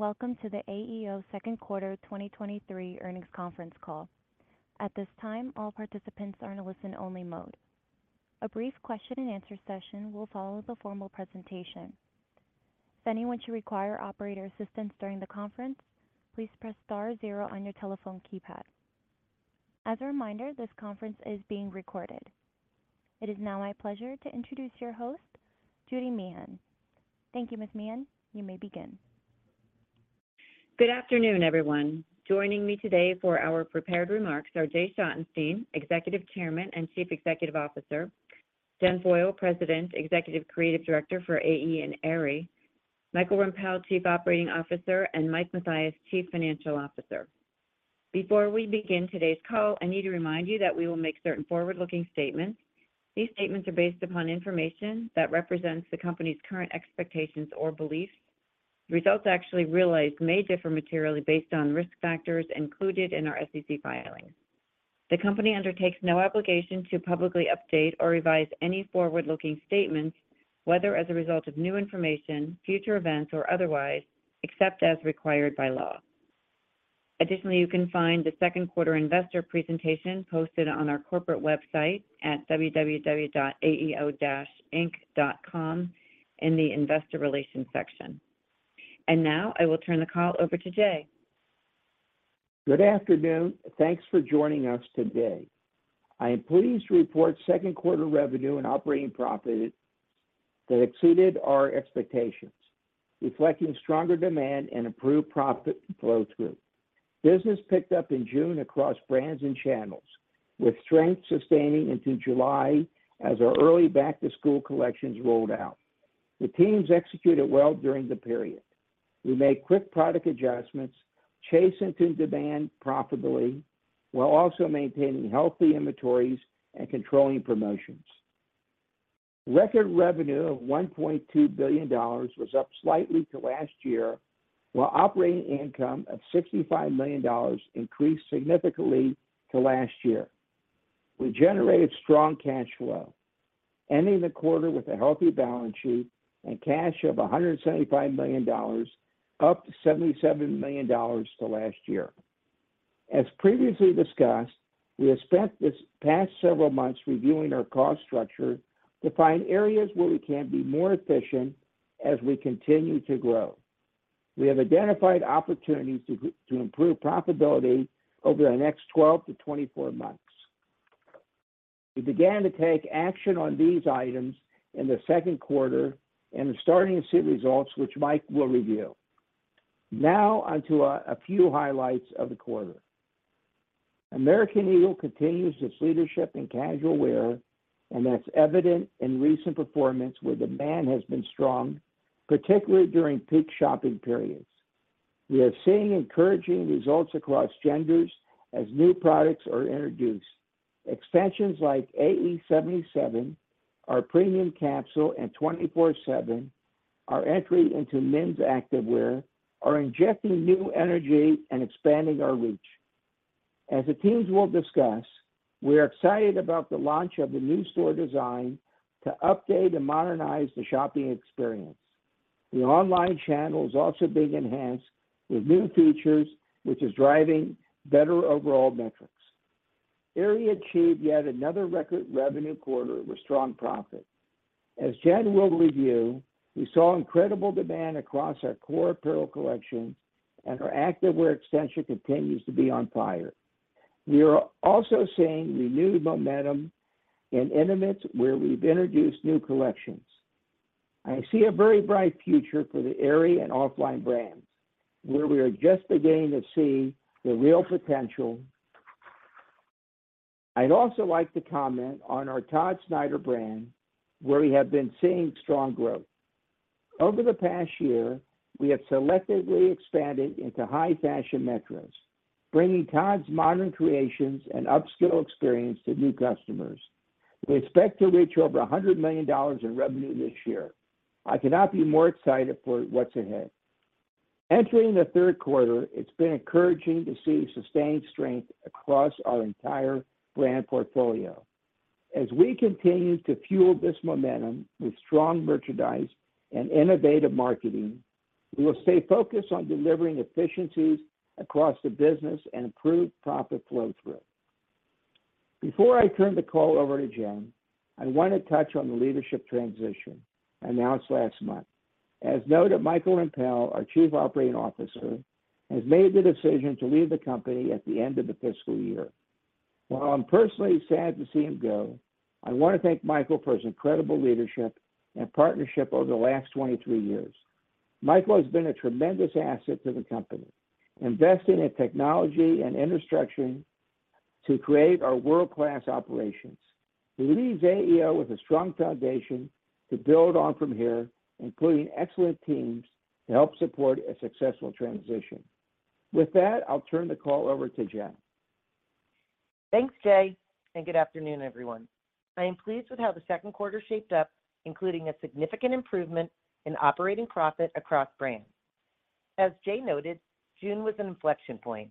Welcome to the AEO second quarter 2023 earnings conference call. At this time, all participants are in a listen-only mode. A brief question and answer session will follow the formal presentation. If anyone should require operator assistance during the conference, please press star zero on your telephone keypad. As a reminder, this conference is being recorded. It is now my pleasure to introduce your host, Judy Meehan. Thank you, Ms. Meehan. You may begin. Good afternoon, everyone. Joining me today for our prepared remarks are Jay Schottenstein, Executive Chairman and Chief Executive Officer, Jen Foyle, President, Executive Creative Director for AE and Aerie, Michael Rempel, Chief Operating Officer, and Mike Mathias, Chief Financial Officer. Before we begin today's call, I need to remind you that we will make certain forward-looking statements. These statements are based upon information that represents the company's current expectations or beliefs. Results actually realized may differ materially based on risk factors included in our SEC filings. The company undertakes no obligation to publicly update or revise any forward-looking statements, whether as a result of new information, future events, or otherwise, except as required by law. Additionally, you can find the second quarter investor presentation posted on our corporate website at www.aeo-inc.com in the Investor Relations section. Now I will turn the call over to Jay. Good afternoon, thanks for joining us today. I am pleased to report second quarter revenue and operating profit that exceeded our expectations, reflecting stronger demand and improved profit flow through. Business picked up in June across brands and channels, with strength sustaining into July as our early back-to-school collections rolled out. The teams executed well during the period. We made quick product adjustments, chasing to demand profitably, while also maintaining healthy inventories and controlling promotions. Record revenue of $1.2 billion was up slightly to last year, while operating income of $65 million increased significantly to last year. We generated strong cash flow, ending the quarter with a healthy balance sheet and cash of $175 million, up $77 million to last year. As previously discussed, we have spent this past several months reviewing our cost structure to find areas where we can be more efficient as we continue to grow. We have identified opportunities to improve profitability over the next 12-24 months. We began to take action on these items in the second quarter and are starting to see results, which Mike will review. Now on to a few highlights of the quarter. American Eagle continues its leadership in casual wear, and that's evident in recent performance, where demand has been strong, particularly during peak shopping periods. We are seeing encouraging results across genders as new products are introduced. Extensions like AE77, our premium capsule in 24/7, our entry into men's activewear are injecting new energy and expanding our reach. As the teams will discuss, we are excited about the launch of the new store design to update and modernize the shopping experience. The online channel is also being enhanced with new features, which is driving better overall metrics. Aerie achieved yet another record revenue quarter with strong profit. As Jen will review, we saw incredible demand across our core apparel collections, and our activewear extension continues to be on fire. We are also seeing renewed momentum in intimates, where we've introduced new collections. I see a very bright future for the Aerie and OFFLINE brands, where we are just beginning to see the real potential. I'd also like to comment on our Todd Snyder brand, where we have been seeing strong growth. Over the past year, we have selectively expanded into high-fashion metros, bringing Todd's modern creations and upscale experience to new customers. We expect to reach over $100 million in revenue this year. I cannot be more excited for what's ahead. Entering the third quarter, it's been encouraging to see sustained strength across our entire brand portfolio. As we continue to fuel this momentum with strong merchandise and innovative marketing, we will stay focused on delivering efficiencies across the business and improve profit flow through. Before I turn the call over to Jen, I want to touch on the leadership transition announced last month. As noted, Michael Rempel, our Chief Operating Officer, has made the decision to leave the company at the end of the fiscal year. While I'm personally sad to see him go, I want to thank Michael for his incredible leadership and partnership over the last 23 years. Michael has been a tremendous asset to the company, investing in technology and infrastructure to create our world-class operations. He leaves AEO with a strong foundation to build on from here, including excellent teams to help support a successful transition. With that, I'll turn the call over to Jen. Thanks, Jay, and good afternoon, everyone. I am pleased with how the second quarter shaped up, including a significant improvement in operating profit across brands. As Jay noted, June was an inflection point....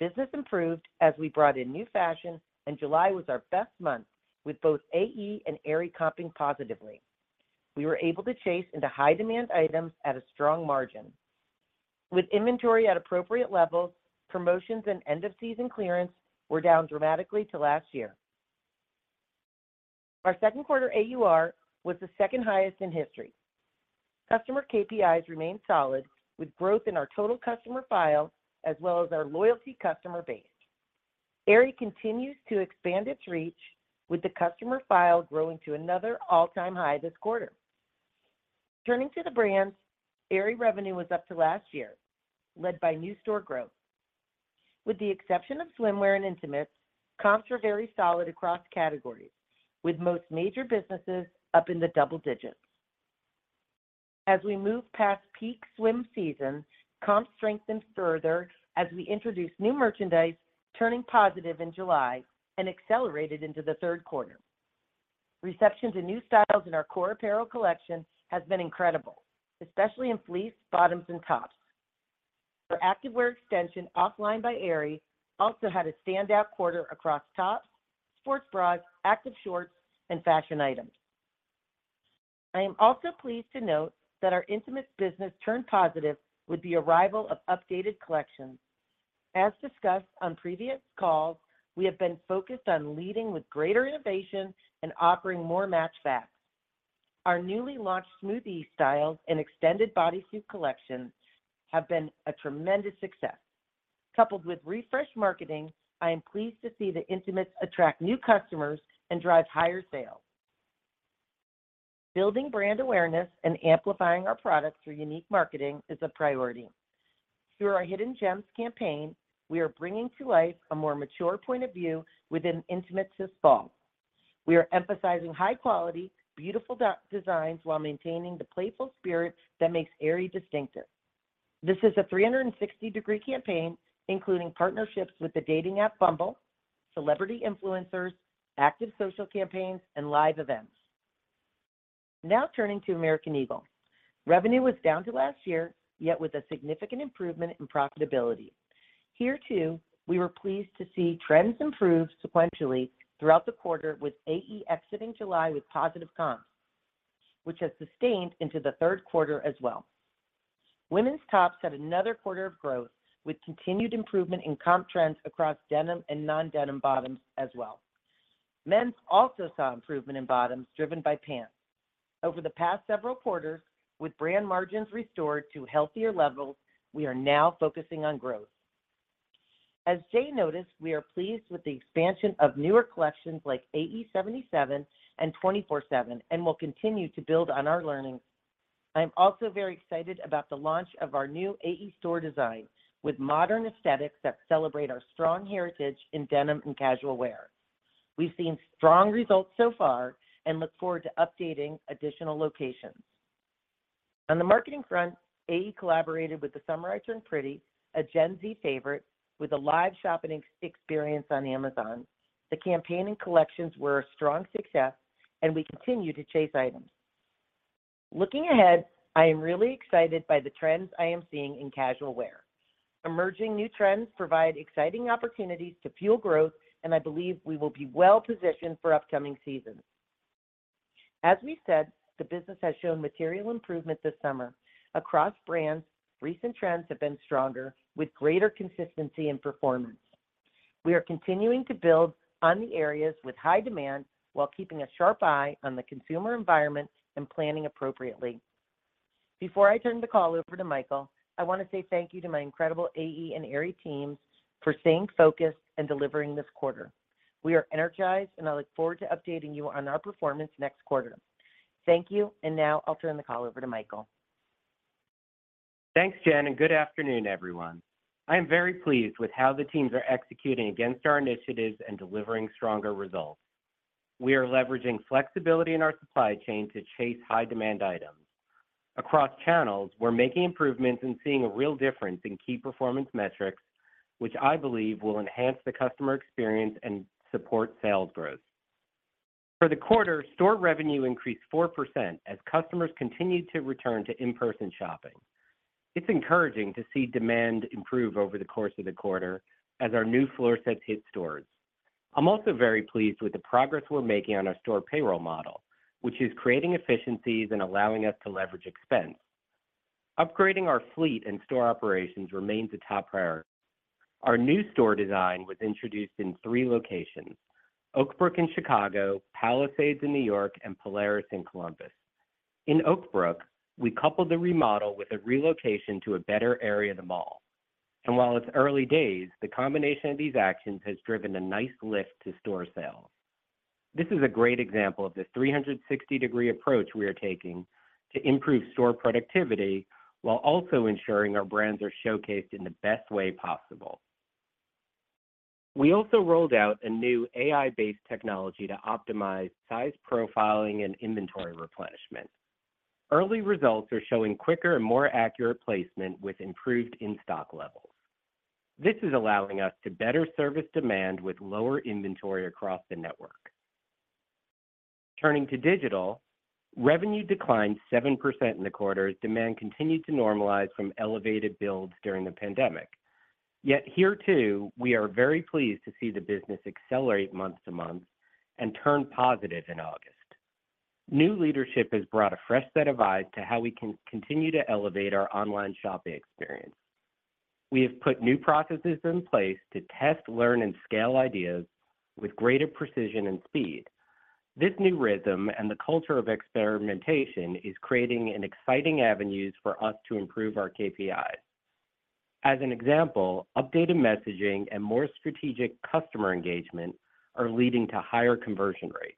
Business improved as we brought in new fashion, and July was our best month, with both AE and Aerie comping positively. We were able to chase into high demand items at a strong margin. With inventory at appropriate levels, promotions and end of season clearance were down dramatically to last year. Our second quarter AUR was the second highest in history. Customer KPIs remained solid, with growth in our total customer file, as well as our loyalty customer base. Aerie continues to expand its reach, with the customer file growing to another all-time high this quarter. Turning to the brands, Aerie revenue was up to last year, led by new store growth. With the exception of swimwear and intimates, comps were very solid across categories, with most major businesses up in the double digits. As we move past peak swim season, comps strengthened further as we introduced new merchandise, turning positive in July and accelerated into the third quarter. Reception to new styles in our core apparel collection has been incredible, especially in fleece, bottoms, and tops. Our activewear extension, OFFLINE by Aerie, also had a standout quarter across tops, sports bras, active shorts, and fashion items. I am also pleased to note that our intimates business turned positive with the arrival of updated collections. As discussed on previous calls, we have been focused on leading with greater innovation and offering more match backs. Our newly launched SMOOTHEZ styles and extended bodysuit collections have been a tremendous success. Coupled with refreshed marketing, I am pleased to see the intimates attract new customers and drive higher sales. Building brand awareness and amplifying our products through unique marketing is a priority. Through our Hidden Gems campaign, we are bringing to life a more mature point of view within intimates this fall. We are emphasizing high quality, beautiful designs, while maintaining the playful spirit that makes Aerie distinctive. This is a 360-degree campaign, including partnerships with the dating app, Bumble, celebrity influencers, active social campaigns, and live events. Now turning to American Eagle. Revenue was down to last year, yet with a significant improvement in profitability. Here, too, we were pleased to see trends improve sequentially throughout the quarter, with AE exiting July with positive comps, which has sustained into the third quarter as well. Women's tops had another quarter of growth, with continued improvement in comp trends across denim and non-denim bottoms as well. Men's also saw improvement in bottoms, driven by pants. Over the past several quarters, with brand margins restored to healthier levels, we are now focusing on growth. As Jay noted, we are pleased with the expansion of newer collections like AE77 and 24/7, and we'll continue to build on our learnings. I am also very excited about the launch of our new AE store design, with modern aesthetics that celebrate our strong heritage in denim and casual wear. We've seen strong results so far and look forward to updating additional locations. On the marketing front, AE collaborated with The Summer I Turned Pretty, a Gen Z favorite, with a live shopping experience on Amazon. The campaign and collections were a strong success, and we continue to chase items. Looking ahead, I am really excited by the trends I am seeing in casual wear. Emerging new trends provide exciting opportunities to fuel growth, and I believe we will be well positioned for upcoming seasons. As we said, the business has shown material improvement this summer. Across brands, recent trends have been stronger, with greater consistency in performance. We are continuing to build on the areas with high demand while keeping a sharp eye on the consumer environment and planning appropriately. Before I turn the call over to Michael, I want to say thank you to my incredible AE and Aerie teams for staying focused and delivering this quarter. We are energized, and I look forward to updating you on our performance next quarter. Thank you, and now I'll turn the call over to Michael. Thanks, Jen, and good afternoon, everyone. I am very pleased with how the teams are executing against our initiatives and delivering stronger results. We are leveraging flexibility in our supply chain to chase high demand items. Across channels, we're making improvements and seeing a real difference in key performance metrics, which I believe will enhance the customer experience and support sales growth. For the quarter, store revenue increased 4% as customers continued to return to in-person shopping. It's encouraging to see demand improve over the course of the quarter as our new floor sets hit stores. I'm also very pleased with the progress we're making on our store payroll model, which is creating efficiencies and allowing us to leverage expense. Upgrading our fleet and store operations remains a top priority. Our new store design was introduced in three locations: Oakbrook in Chicago, Palisades in New York, and Polaris in Columbus. In Oakbrook, we coupled the remodel with a relocation to a better area of the mall, and while it's early days, the combination of these actions has driven a nice lift to store sales. This is a great example of the 360 degree approach we are taking to improve store productivity while also ensuring our brands are showcased in the best way possible. We also rolled out a new AI-based technology to optimize size profiling and inventory replenishment. Early results are showing quicker and more accurate placement with improved in-stock levels. This is allowing us to better service demand with lower inventory across the network.... Turning to digital, revenue declined 7% in the quarter as demand continued to normalize from elevated builds during the pandemic. Yet here, too, we are very pleased to see the business accelerate month to month and turn positive in August. New leadership has brought a fresh set of eyes to how we can continue to elevate our online shopping experience. We have put new processes in place to test, learn, and scale ideas with greater precision and speed. This new rhythm and the culture of experimentation is creating an exciting avenues for us to improve our KPIs. As an example, updated messaging and more strategic customer engagement are leading to higher conversion rates.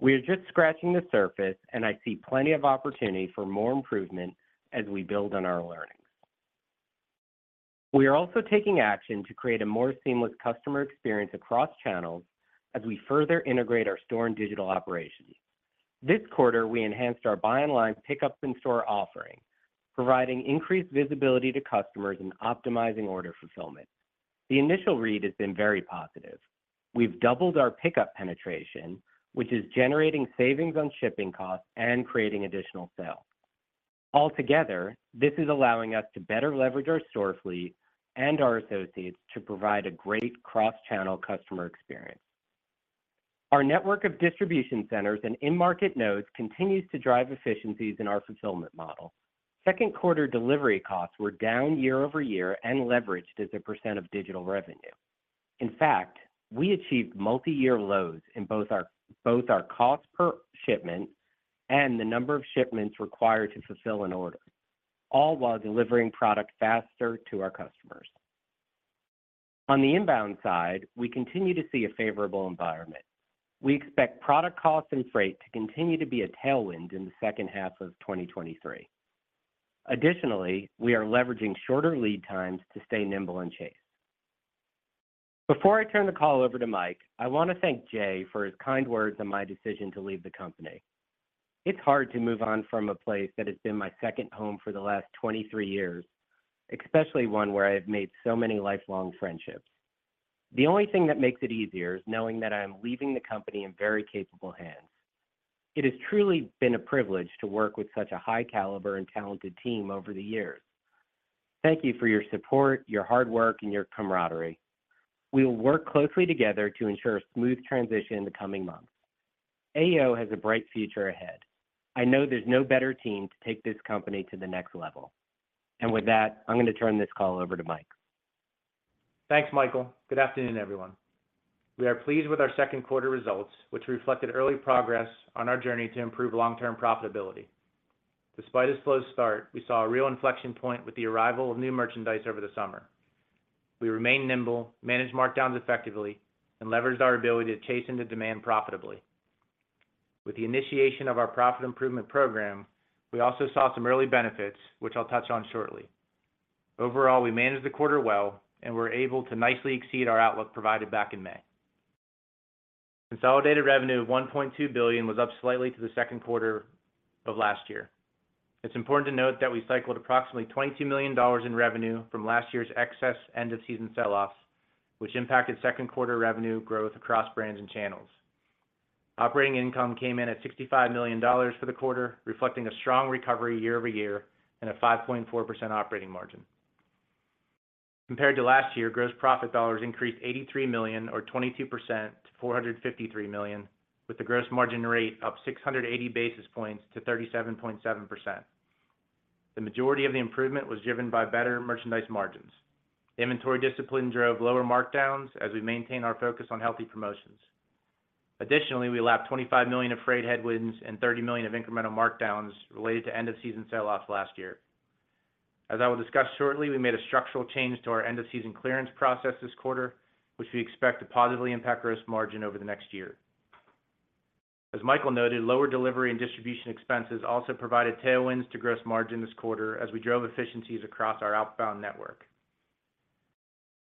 We are just scratching the surface, and I see plenty of opportunity for more improvement as we build on our learnings. We are also taking action to create a more seamless customer experience across channels as we further integrate our store and digital operations. This quarter, we enhanced our buy online, pickup in store offering, providing increased visibility to customers and optimizing order fulfillment. The initial read has been very positive. We've doubled our pickup penetration, which is generating savings on shipping costs and creating additional sales. Altogether, this is allowing us to better leverage our store fleet and our associates to provide a great cross-channel customer experience. Our network of distribution centers and in-market nodes continues to drive efficiencies in our fulfillment model. Second quarter delivery costs were down year-over-year and leveraged as a percent of digital revenue. In fact, we achieved multiyear lows in both our cost per shipment and the number of shipments required to fulfill an order, all while delivering product faster to our customers. On the inbound side, we continue to see a favorable environment. We expect product costs and freight to continue to be a tailwind in the second half of 2023. Additionally, we are leveraging shorter lead times to stay nimble and chase. Before I turn the call over to Mike, I want to thank Jay for his kind words on my decision to leave the company. It's hard to move on from a place that has been my second home for the last 23 years, especially one where I have made so many lifelong friendships. The only thing that makes it easier is knowing that I am leaving the company in very capable hands. It has truly been a privilege to work with such a high caliber and talented team over the years. Thank you for your support, your hard work, and your camaraderie. We will work closely together to ensure a smooth transition in the coming months. AEO has a bright future ahead. I know there's no better team to take this company to the next level. With that, I'm going to turn this call over to Mike. Thanks, Michael. Good afternoon, everyone. We are pleased with our second quarter results, which reflected early progress on our journey to improve long-term profitability. Despite a slow start, we saw a real inflection point with the arrival of new merchandise over the summer. We remained nimble, managed markdowns effectively, and leveraged our ability to chase into demand profitably. With the initiation of our profit improvement program, we also saw some early benefits, which I'll touch on shortly. Overall, we managed the quarter well and were able to nicely exceed our outlook provided back in May. Consolidated revenue of $1.2 billion was up slightly to the second quarter of last year. It's important to note that we cycled approximately $22 million in revenue from last year's excess end-of-season sell-offs, which impacted second quarter revenue growth across brands and channels. Operating income came in at $65 million for the quarter, reflecting a strong recovery year-over-year and a 5.4 operating margin. Compared to last year, gross profit dollars increased $83 million, or 22% to $453 million, with the gross margin rate up 680 basis points to 37.7%. The majority of the improvement was driven by better merchandise margins. Inventory discipline drove lower markdowns as we maintain our focus on healthy promotions. Additionally, we lapped $25 million of freight headwinds and $30 million of incremental markdowns related to end-of-season sell-offs last year. As I will discuss shortly, we made a structural change to our end-of-season clearance process this quarter, which we expect to positively impact gross margin over the next year. As Michael noted, lower delivery and distribution expenses also provided tailwinds to gross margin this quarter as we drove efficiencies across our outbound network.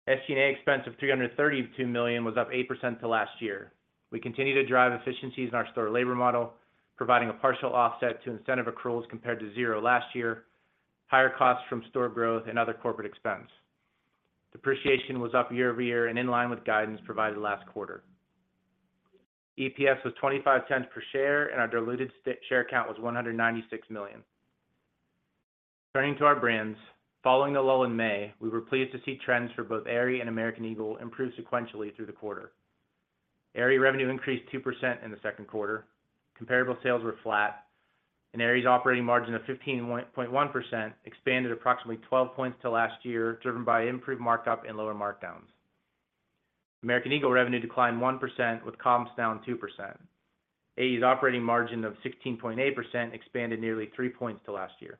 SG&A expense of $332 million was up 8% to last year. We continue to drive efficiencies in our store labor model, providing a partial offset to incentive accruals compared to zero last year, higher costs from store growth and other corporate expense. Depreciation was up year over year and in line with guidance provided last quarter. EPS was $0.25 per share, and our diluted share count was 196 million. Turning to our brands. Following the lull in May, we were pleased to see trends for both Aerie and American Eagle improve sequentially through the quarter. Aerie revenue increased 2% in the second quarter. Comparable sales were flat, and Aerie's operating margin of 15.1% expanded approximately 12 points to last year, driven by improved markup and lower markdowns. American Eagle revenue declined 1%, with comps down 2%. AE operating margin of 16.8% expanded nearly 3 points to last year.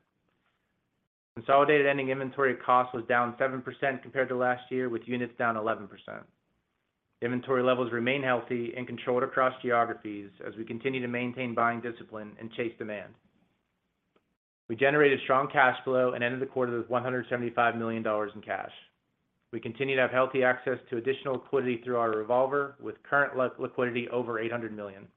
Consolidated ending inventory cost was down 7% compared to last year, with units down 11%. Inventory levels remain healthy and controlled across geographies as we continue to maintain buying discipline and chase demand. We generated strong cash flow and ended the quarter with $175 million in cash. We continue to have healthy access to additional liquidity through our revolver, with current liquidity over $800 million.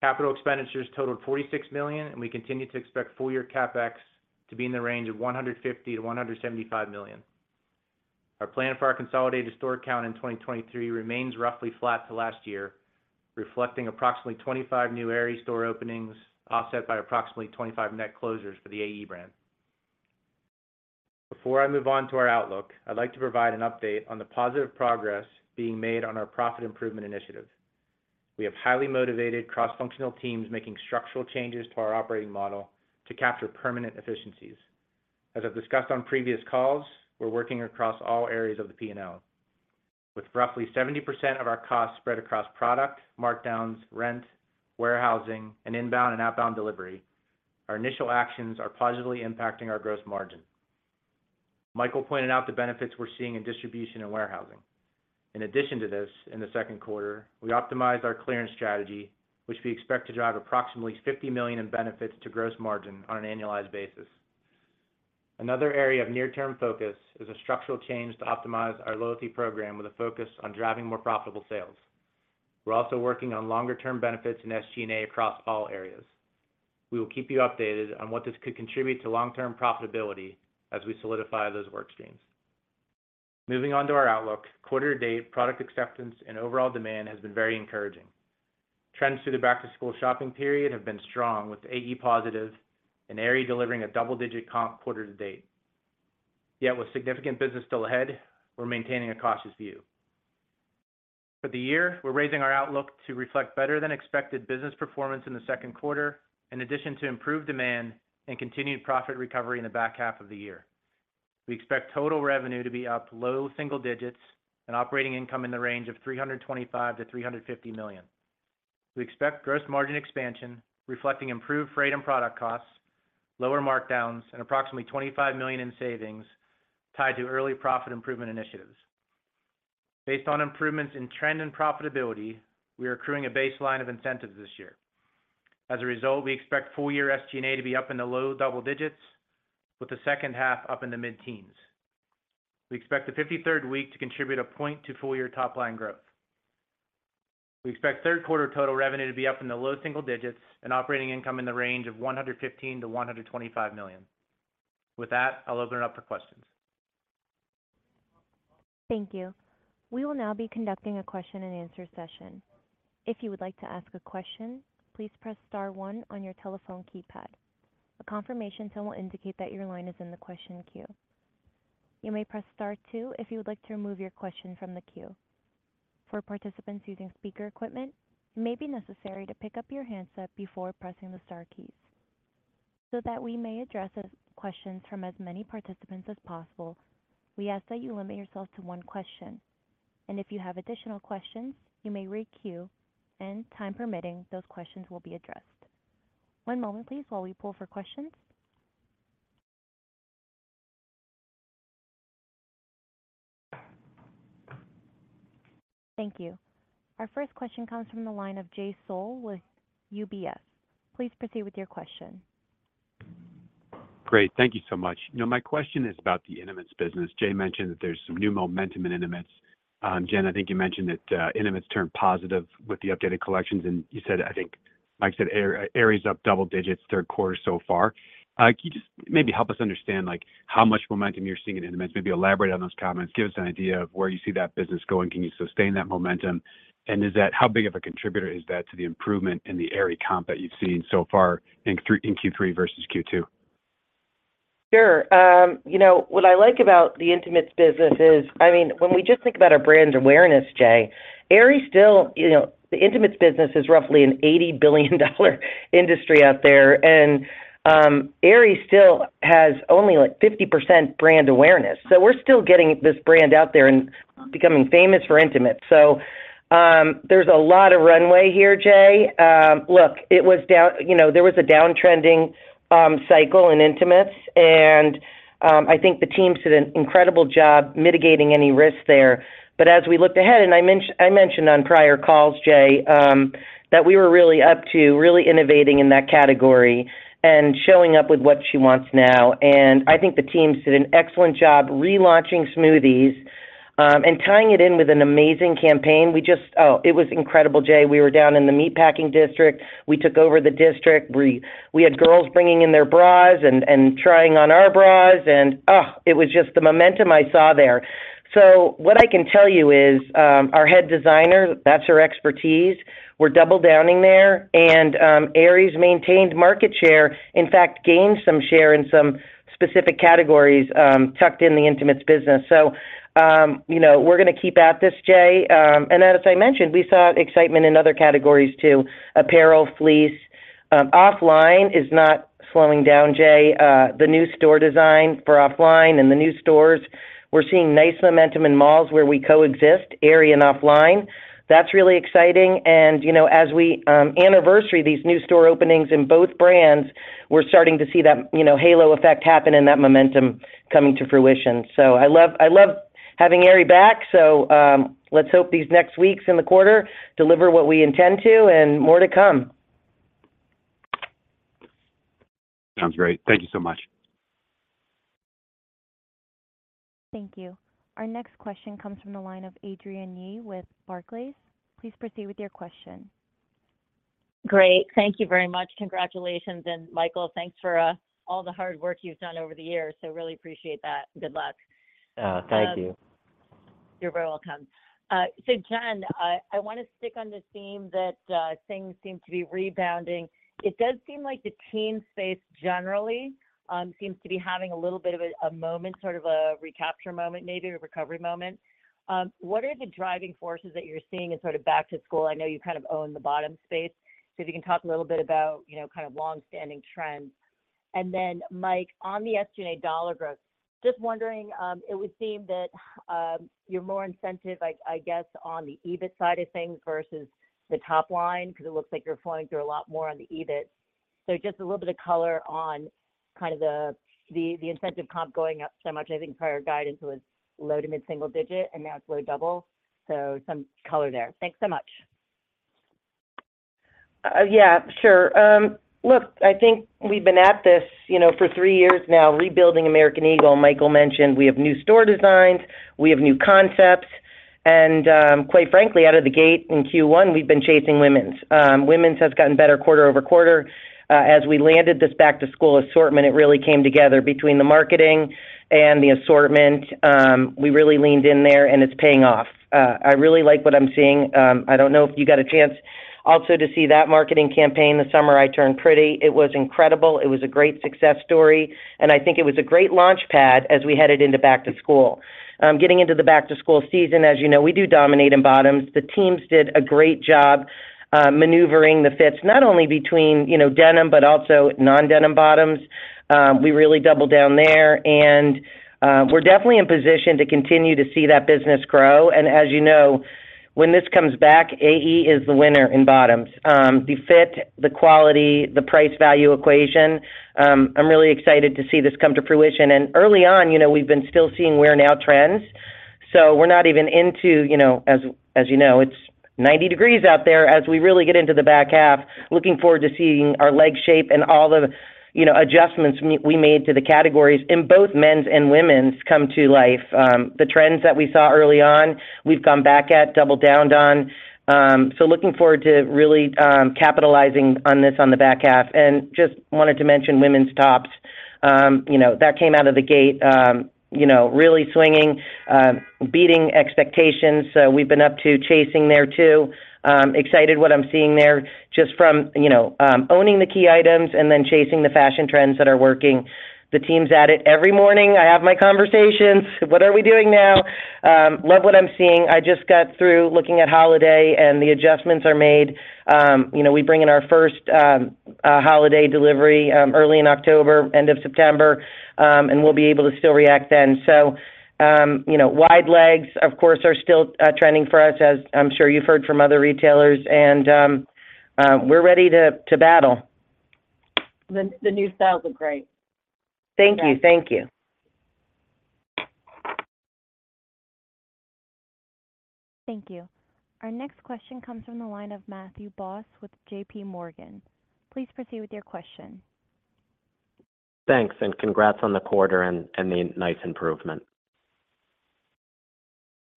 Capital expenditures totaled $46 million, and we continue to expect full year CapEx to be in the range of $150 million-$175 million. Our plan for our consolidated store count in 2023 remains roughly flat to last year, reflecting approximately 25 new Aerie store openings, offset by approximately 25 net closures for the AE brand. Before I move on to our outlook, I'd like to provide an update on the positive progress being made on our profit improvement initiative. We have highly motivated cross-functional teams making structural changes to our operating model to capture permanent efficiencies. As I've discussed on previous calls, we're working across all areas of the P&L. With roughly 70% of our costs spread across product, markdowns, rent, warehousing, and inbound and outbound delivery, our initial actions are positively impacting our gross margin. Michael pointed out the benefits we're seeing in distribution and warehousing. In addition to this, in the second quarter, we optimized our clearance strategy, which we expect to drive approximately $50 million in benefits to gross margin on an annualized basis. Another area of near-term focus is a structural change to optimize our loyalty program with a focus on driving more profitable sales. We're also working on longer term benefits in SG&A across all areas. We will keep you updated on what this could contribute to long-term profitability as we solidify those work streams. Moving on to our outlook. Quarter to date, product acceptance and overall demand has been very encouraging. Trends through the back-to-school shopping period have been strong, with AE positive and Aerie delivering a double-digit comp quarter to date. Yet with significant business still ahead, we're maintaining a cautious view. For the year, we're raising our outlook to reflect better than expected business performance in the second quarter, in addition to improved demand and continued profit recovery in the back half of the year. We expect total revenue to be up low single digits and operating income in the range of $325 million-$350 million. We expect gross margin expansion, reflecting improved freight and product costs, lower markdowns, and approximately $25 million in savings tied to early profit improvement initiatives. Based on improvements in trend and profitability, we are accruing a baseline of incentives this year. As a result, we expect full year SG&A to be up in the low double digits, with the second half up in the mid-teens. We expect the 53rd week to contribute a point to full-year top line growth. We expect third quarter total revenue to be up in the low single digits and operating income in the range of $115 million-$125 million. With that, I'll open it up for questions. Thank you. We will now be conducting a question-and-answer session. If you would like to ask a question, please press star one on your telephone keypad. A confirmation tone will indicate that your line is in the question queue. You may press star two if you would like to remove your question from the queue. For participants using speaker equipment, it may be necessary to pick up your handset before pressing the star keys. So that we may address as many questions from as many participants as possible, we ask that you limit yourself to one question, and if you have additional questions, you may re-queue, and, time permitting, those questions will be addressed. One moment, please, while we poll for questions. Thank you. Our first question comes from the line of Jay Sole with UBS. Please proceed with your question. Great. Thank you so much. You know, my question is about the intimates business. Jay mentioned that there's some new momentum in intimates. Jen, I think you mentioned that, intimates turned positive with the updated collections, and you said, I think Mike said, Aerie, Aerie's up double digits, third quarter so far. Can you just maybe help us understand, like, how much momentum you're seeing in intimates? Maybe elaborate on those comments. Give us an idea of where you see that business going. Can you sustain that momentum? And is that how big of a contributor is that to the improvement in the Aerie comp that you've seen so far in Q3 versus Q2? Sure. You know, what I like about the intimates business is, I mean, when we just think about our brand's awareness, Jay, Aerie still... You know, the intimates business is roughly an $80 billion industry out there, and Aerie still has only, like, 50% brand awareness. So we're still getting this brand out there and becoming famous for intimates. So there's a lot of runway here, Jay. Look, it was down, you know, there was a downtrending cycle in intimates, and I think the team did an incredible job mitigating any risks there. But as we looked ahead, and I mentioned on prior calls, Jay, that we were really up to really innovating in that category and showing up with what she wants now. I think the teams did an excellent job relaunching SMOOTHEZ, and tying it in with an amazing campaign. We just... Oh, it was incredible, Jay. We were down in the Meatpacking District. We took over the district. We, we had girls bringing in their bras and, and trying on our bras, and, ugh, it was just the momentum I saw there. So what I can tell you is, our head designer, that's her expertise, we're double-downing there, and, Aerie's maintained market share, in fact, gained some share in some specific categories, tucked in the intimates business. So, you know, we're gonna keep at this, Jay. And as I mentioned, we saw excitement in other categories, too. Apparel, fleece, OFFLINE is not slowing down, Jay. The new store design for OFFLINE and the new stores, we're seeing nice momentum in malls where we coexist, Aerie and OFFLINE. That's really exciting. And, you know, as we, anniversary these new store openings in both brands, we're starting to see that, you know, halo effect happen and that momentum coming to fruition. So I love, I love having Aerie back, so, let's hope these next weeks in the quarter deliver what we intend to, and more to come. Sounds great. Thank you so much. Thank you. Our next question comes from the line of Adrienne Yih with Barclays. Please proceed with your question.... Great. Thank you very much. Congratulations, and Michael, thanks for all the hard work you've done over the years. So really appreciate that. Good luck. Thank you. You're very welcome. So Jen, I wanna stick on the theme that things seem to be rebounding. It does seem like the teen space generally seems to be having a little bit of a moment, sort of a recapture moment, maybe a recovery moment. What are the driving forces that you're seeing in sort of back to school? I know you kind of own the bottom space, so if you can talk a little bit about, you know, kind of long-standing trends. And then, Mike, on the SG&A dollar growth, just wondering, it would seem that you're more incentive, like, I guess, on the EBIT side of things versus the top line, 'cause it looks like you're flowing through a lot more on the EBIT. So just a little bit of color on kind of the incentive comp going up so much. I think prior guidance was low to mid-single digit, and now it's low double. So some color there. Thanks so much. Yeah, sure. Look, I think we've been at this, you know, for three years now, rebuilding American Eagle. Michael mentioned we have new store designs, we have new concepts, and, quite frankly, out of the gate in Q1, we've been chasing women's. Women's has gotten better quarter over quarter. As we landed this back-to-school assortment, it really came together between the marketing and the assortment. We really leaned in there, and it's paying off. I really like what I'm seeing. I don't know if you got a chance also to see that marketing campaign, The Summer I Turned Pretty. It was incredible. It was a great success story, and I think it was a great launchpad as we headed into back to school. Getting into the back-to-school season, as you know, we do dominate in bottoms. The teams did a great job, maneuvering the fits, not only between, you know, denim, but also non-denim bottoms. We really doubled down there, and we're definitely in position to continue to see that business grow. And as you know, when this comes back, AE is the winner in bottoms. The fit, the quality, the price-value equation, I'm really excited to see this come to fruition. And early on, you know, we've been still seeing wear-now trends, so we're not even into... You know, as you know, it's 90 degrees out there. As we really get into the back half, looking forward to seeing our leg shape and all the, you know, adjustments we made to the categories in both men's and women's come to life. The trends that we saw early on, we've gone back at, doubled down on. So looking forward to really capitalizing on this on the back half. And just wanted to mention women's tops, you know, that came out of the gate, you know, really swinging, beating expectations. So we've been up to chasing there, too. Excited what I'm seeing there, just from, you know, owning the key items and then chasing the fashion trends that are working. The team's at it. Every morning, I have my conversations: "What are we doing now?" Love what I'm seeing. I just got through looking at holiday, and the adjustments are made. You know, we bring in our first holiday delivery early in October, end of September, and we'll be able to still react then. So, you know, wide legs, of course, are still trending for us, as I'm sure you've heard from other retailers, and we're ready to battle. The new styles are great. Thank you. Thank you. Thank you. Our next question comes from the line of Matthew Boss with J.P. Morgan. Please proceed with your question. Thanks, and congrats on the quarter and, and the nice improvement.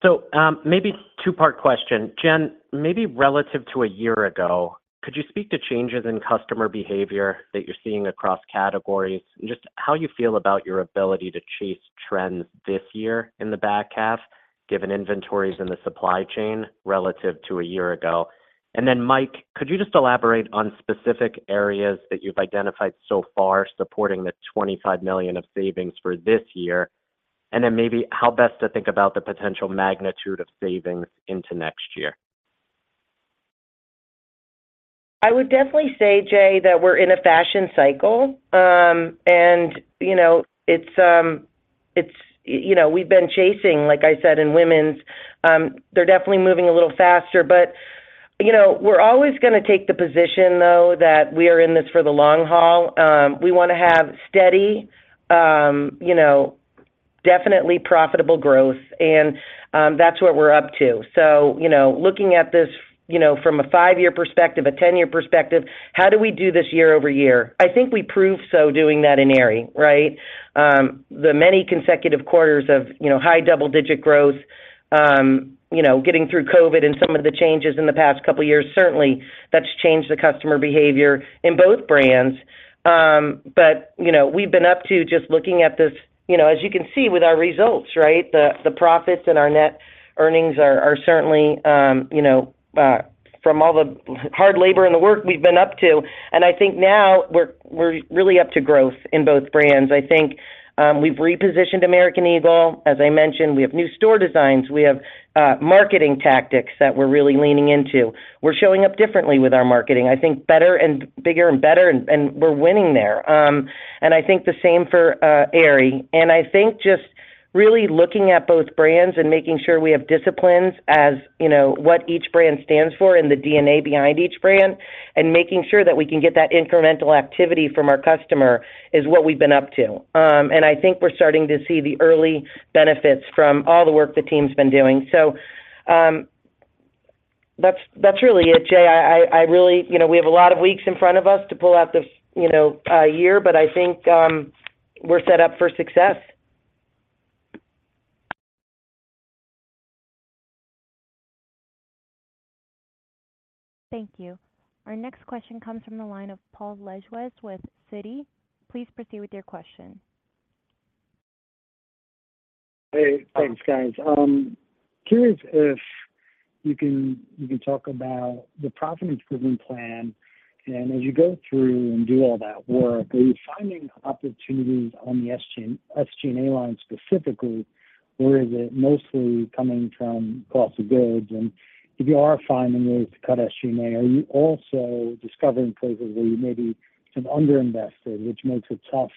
So, maybe two-part question. Jen, maybe relative to a year ago, could you speak to changes in customer behavior that you're seeing across categories and just how you feel about your ability to chase trends this year in the back half, given inventories in the supply chain relative to a year ago? And then, Mike, could you just elaborate on specific areas that you've identified so far, supporting the $25 million of savings for this year? And then maybe how best to think about the potential magnitude of savings into next year. I would definitely say, Jay, that we're in a fashion cycle. You know, it's... You know, we've been chasing, like I said, in women's, they're definitely moving a little faster. But, you know, we're always gonna take the position, though, that we are in this for the long haul. We wanna have steady, you know, definitely profitable growth, and, that's what we're up to. So, you know, looking at this, you know, from a five-year perspective, a ten-year perspective, how do we do this year-over-year? I think we proved so doing that in Aerie, right? The many consecutive quarters of, you know, high double-digit growth, you know, getting through COVID and some of the changes in the past couple of years, certainly that's changed the customer behavior in both brands. But, you know, we've been up to just looking at this, you know, as you can see with our results, right? The profits and our net earnings are certainly, you know, from all the hard labor and the work we've been up to. And I think now we're really up to growth in both brands. I think we've repositioned American Eagle. As I mentioned, we have new store designs. We have marketing tactics that we're really leaning into. We're showing up differently with our marketing, I think, better and bigger and better, and we're winning there. And I think the same for Aerie. I think just really looking at both brands and making sure we have disciplines, as, you know, what each brand stands for and the DNA behind each brand, and making sure that we can get that incremental activity from our customer is what we've been up to. And I think we're starting to see the early benefits from all the work the team's been doing. So, that's, that's really it, Jay. I really, you know, we have a lot of weeks in front of us to pull out this, you know, year, but I think, we're set up for success. Thank you. Our next question comes from the line of Paul Lejuez with Citi. Please proceed with your question. Hey, thanks, guys. Curious if you can talk about the profit improvement plan, and as you go through and do all that work, are you finding opportunities on the SG&A line specifically, or is it mostly coming from cost of goods? And if you are finding ways to cut SG&A, are you also discovering places where you maybe have underinvested, which makes it tough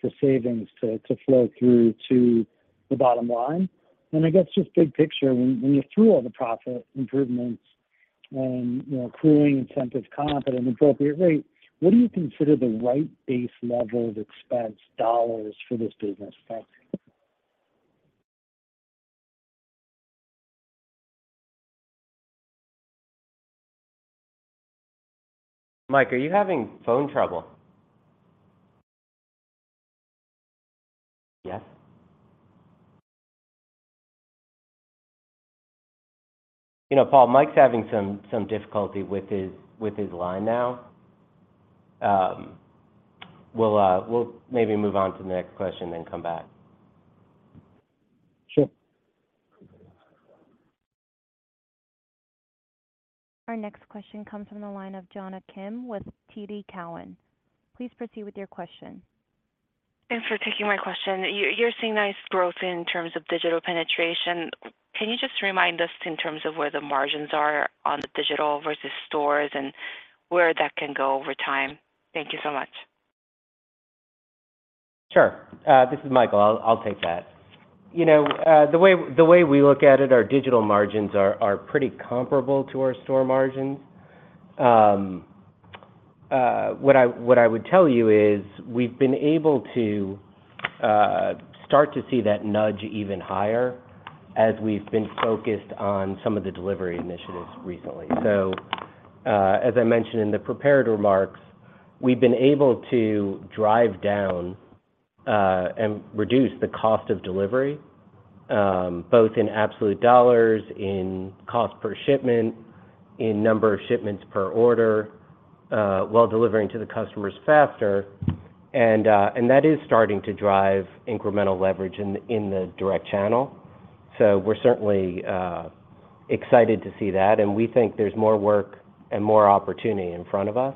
for savings to flow through to the bottom line? And I guess, just big picture, when you're through all the profit improvements and, you know, accruing incentive comp at an appropriate rate, what do you consider the right base level of expense dollars for this business factoring? Mike, are you having phone trouble? Yes. You know, Paul, Mike's having some difficulty with his line now. We'll maybe move on to the next question, then come back. Sure. Our next question comes from the line of Jonna Kim with TD Cowen. Please proceed with your question. Thanks for taking my question. You're seeing nice growth in terms of digital penetration. Can you just remind us in terms of where the margins are on the digital versus stores and where that can go over time? Thank you so much. Sure. This is Michael. I'll take that. You know, the way we look at it, our digital margins are pretty comparable to our store margins. What I would tell you is, we've been able to start to see that nudge even higher as we've been focused on some of the delivery initiatives recently. So, as I mentioned in the prepared remarks, we've been able to drive down and reduce the cost of delivery, both in absolute dollars, in cost per shipment, in number of shipments per order, while delivering to the customers faster. And that is starting to drive incremental leverage in the direct channel. So we're certainly excited to see that, and we think there's more work and more opportunity in front of us.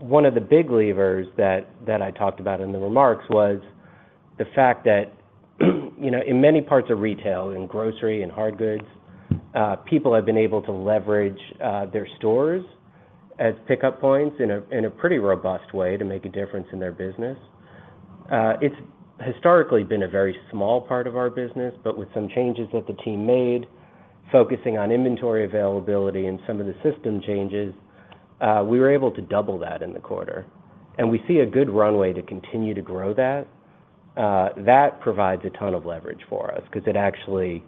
One of the big levers that I talked about in the remarks was the fact that, you know, in many parts of retail, in grocery and hard goods, people have been able to leverage their stores as pickup points in a pretty robust way to make a difference in their business. It's historically been a very small part of our business, but with some changes that the team made, focusing on inventory availability and some of the system changes, we were able to double that in the quarter, and we see a good runway to continue to grow that. That provides a ton of leverage for us because it actually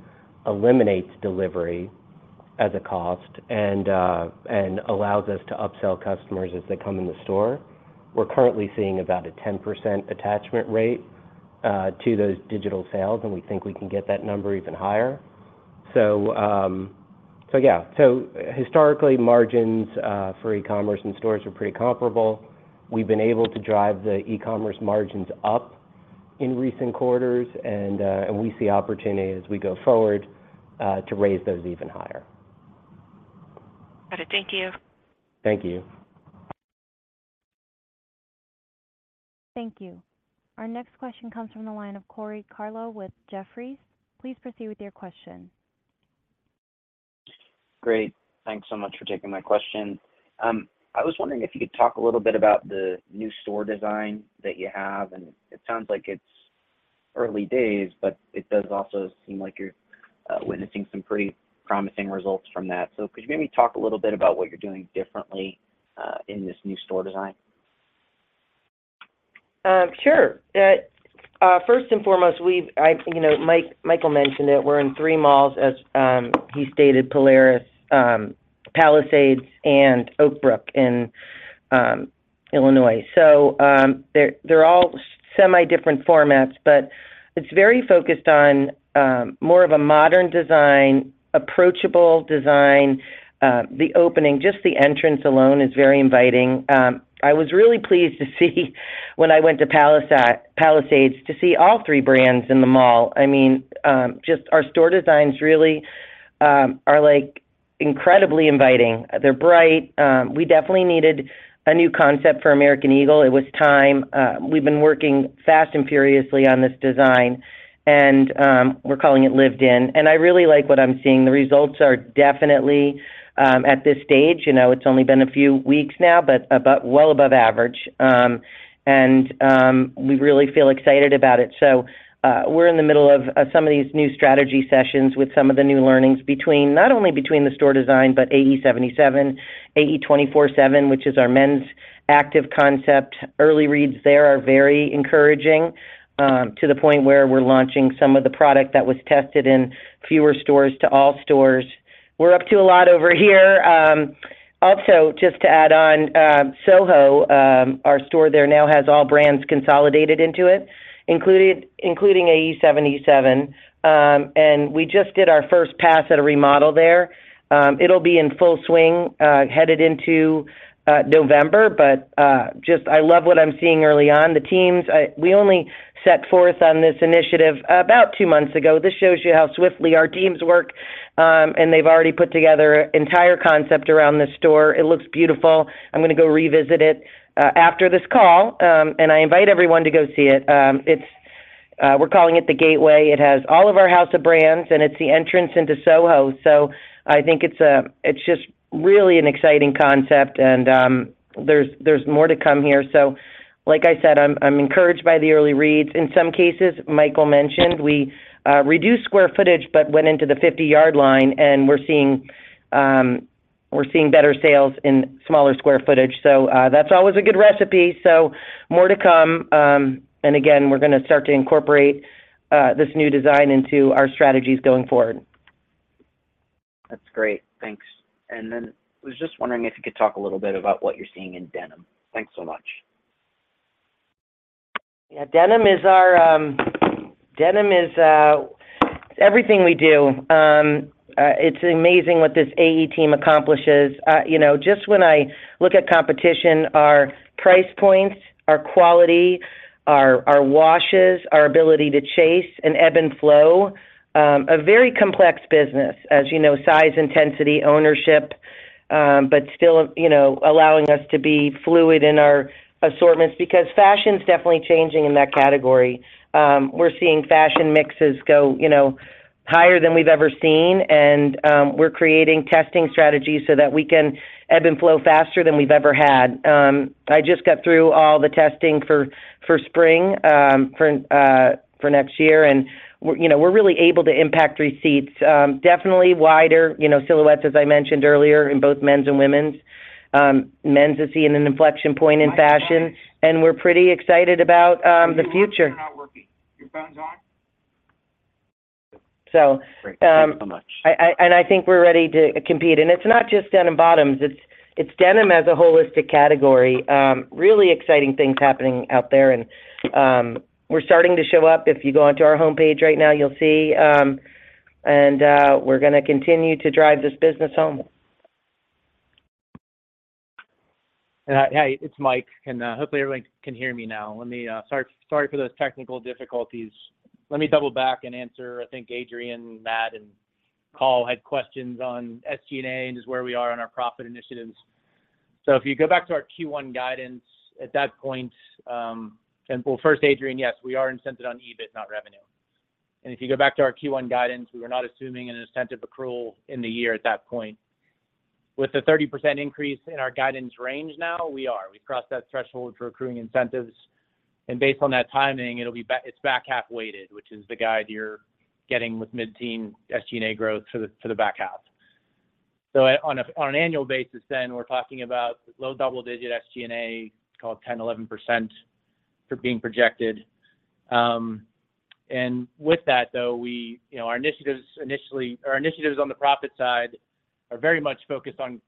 eliminates delivery as a cost and allows us to upsell customers as they come in the store. We're currently seeing about a 10% attachment rate to those digital sales, and we think we can get that number even higher. So, so yeah. So historically, margins for e-commerce and stores are pretty comparable. We've been able to drive the e-commerce margins up in recent quarters, and, and we see opportunity as we go forward to raise those even higher. Got it. Thank you. Thank you. Thank you. Our next question comes from the line of Corey Tarlowe with Jefferies. Please proceed with your question. Great. Thanks so much for taking my question. I was wondering if you could talk a little bit about the new store design that you have, and it sounds like it's early days, but it does also seem like you're witnessing some pretty promising results from that. So could you maybe talk a little bit about what you're doing differently in this new store design? Sure. First and foremost, we've—I, you know, Mike, Michael mentioned it, we're in three malls, as he stated, Polaris, Palisades, and Oakbrook in Illinois. So, they're all semi-different formats, but it's very focused on more of a modern design, approachable design. The opening, just the entrance alone is very inviting. I was really pleased to see when I went to Palisades, to see all three brands in the mall. I mean, just our store designs really are like incredibly inviting. They're bright. We definitely needed a new concept for American Eagle. It was time. We've been working fast and furiously on this design, and we're calling it Lived In. I really like what I'm seeing. The results are definitely at this stage, you know, it's only been a few weeks now, but above, well above average. And we really feel excited about it. So, we're in the middle of some of these new strategy sessions with some of the new learnings between not only the store design, but AE77, AE 24/7, which is our men's active concept. Early reads there are very encouraging, to the point where we're launching some of the product that was tested in fewer stores to all stores. We're up to a lot over here. Also, just to add on, Soho, our store there now has all brands consolidated into it, including AE77. And we just did our first pass at a remodel there. It'll be in full swing, headed into November, but just I love what I'm seeing early on. The teams, we only set forth on this initiative about two months ago. This shows you how swiftly our teams work, and they've already put together an entire concept around the store. It looks beautiful. I'm gonna go revisit it, after this call, and I invite everyone to go see it. It's, we're calling it the Gateway. It has all of our house of brands, and it's the entrance into Soho. So I think it's just really an exciting concept, and there's more to come here. So like I said, I'm encouraged by the early reads. In some cases, Michael mentioned we reduced square footage but went into the 50-yard line, and we're seeing, we're seeing better sales in smaller square footage. So, that's always a good recipe, so more to come. And again, we're gonna start to incorporate this new design into our strategies going forward. That's great. Thanks. And then I was just wondering if you could talk a little bit about what you're seeing in denim. Thanks so much. Yeah, denim is our... Denim is everything we do. It's amazing what this AE team accomplishes. You know, just when I look at competition, our price points, our quality, our washes, our ability to chase and ebb and flow, a very complex business, as you know, size, intensity, ownership, but still, you know, allowing us to be fluid in our assortments because fashion's definitely changing in that category. We're seeing fashion mixes go, you know, higher than we've ever seen, and we're creating testing strategies so that we can ebb and flow faster than we've ever had. I just got through all the testing for spring, for next year, and we're, you know, we're really able to impact receipts. Definitely wider, you know, silhouettes, as I mentioned earlier, in both men's and women's. Men's is seeing an inflection point in fashion, and we're pretty excited about the future. You're not working. Your phone's on? So, um- Great. Thank you so much. I think we're ready to compete, and it's not just denim bottoms. It's denim as a holistic category. Really exciting things happening out there, and we're starting to show up. If you go onto our homepage right now, you'll see. We're gonna continue to drive this business home. Hey, it's Mike, and hopefully, everyone can hear me now. Let me... Sorry, sorry for those technical difficulties. Let me double back and answer. I think Adrian, Matt, and Paul had questions on SG&A and just where we are on our profit initiatives. So if you go back to our Q1 guidance, at that point, and well, first, Adrian, yes, we are incented on EBIT, not revenue. And if you go back to our Q1 guidance, we were not assuming an incentive accrual in the year at that point. With the 30% increase in our guidance range now, we are. We've crossed that threshold for accruing incentives, and based on that timing, it'll be back half weighted, which is the guide you're getting with mid-teen SG&A growth to the back half. On an annual basis then, we're talking about low double-digit SG&A, call it 10, 11%, for being projected. And with that, though, we. You know, our initiatives initially, our initiatives on the profit side are very much focused on